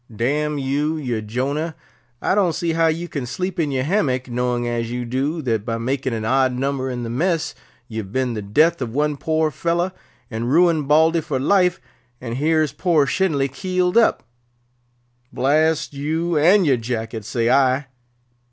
Damn you, you Jonah! I don't see how you can sleep in your hammock, knowing as you do that by making an odd number in the mess you have been the death of one poor fellow, and ruined Baldy for life, and here's poor Shenly keeled up. Blast you, and your jacket, say I."